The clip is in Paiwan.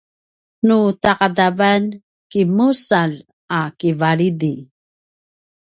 nu ta’adavan kinmusalj a kivalidi